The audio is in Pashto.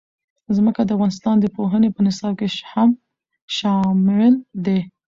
ځمکه د افغانستان د پوهنې په نصاب کې هم شامل دي.